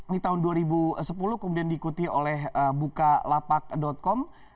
di tahun dua ribu sepuluh kemudian diikuti oleh bukalapak com